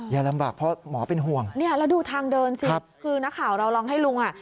อย่าลำบากเพราะหมอเป็นห่วงเนี่ยแล้วดูทางเดินสิคือนักข่าวเราลองให้ลุงอ่ะ